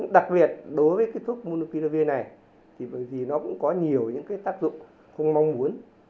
đặc biệt đối với thuốc monoperavia này thì bởi vì nó cũng có nhiều những tác dụng không mong muốn